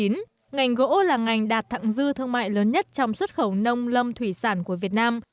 ngành gỗ là ngành đạt thẳng dư thương mại lớn nhất trong xuất khẩu nông lâm thủy sản của việt nam